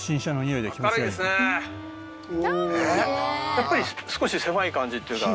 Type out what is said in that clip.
やっぱり少し狭い感じっていうのは。